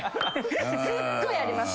すっごいあります